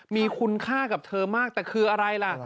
มีคุณค่ากับเธอมากแต่คืออะไรล่ะ